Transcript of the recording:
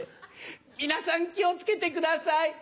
皆さん気を付けてください。